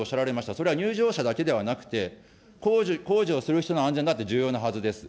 それは入場者だけではなくて、工事をする人の安全だって重要なはずです。